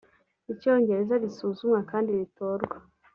icyongereza risuzumwa kandi ritorwa